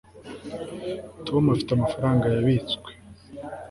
tom afite amafaranga yabitswe